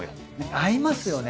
合いますよね。